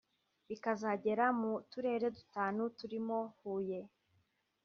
bikazagera mu turere dutanu turimo Huye